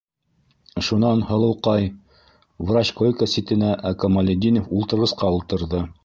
Шунан, һылыуҡай, - врач койка ситенә, ә Камалетдинов ултырғысҡа ултырҙы.